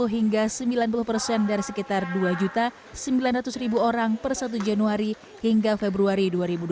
satu hingga sembilan puluh persen dari sekitar dua sembilan ratus orang per satu januari hingga februari dua ribu dua puluh